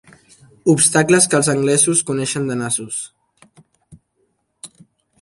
Obstacles que els anglesos coneixen de nassos.